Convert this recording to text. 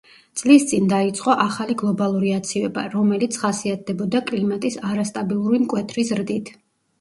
წლის წინ დაიწყო ახალი გლობალური აცივება, რომელიც ხასიათდებოდა კლიმატის არასტაბილური მკვეთრი ზრდით.